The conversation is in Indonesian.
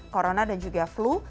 corona dan juga flu